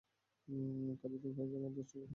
কাজেই তুমি ফেরত যাও, আরো দশটি রোযা রাখ এবং তারপর আস।